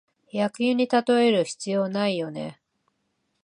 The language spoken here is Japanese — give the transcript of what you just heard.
野球にたとえる必要ないよね